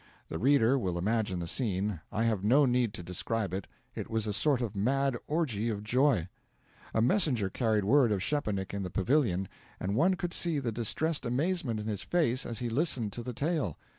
The reader will imagine the scene; I have no need to describe it. It was a sort of mad orgy of joy. A messenger carried word to Szczepanik in the pavilion, and one could see the distressed amazement in his face as he listened to the tale.